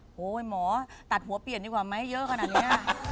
โหหมอตัดหัวเปลี่ยนดีกว่าไหมเยอะขนาดนี้